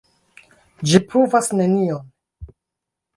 Ĝi pruvas nenion.